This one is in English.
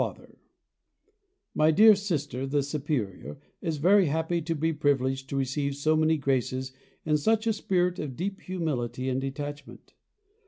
FATHER, My dear Sister, the Superior, is very happy to be privileged to receive so many graces in such a spirit of deep humility and detachment.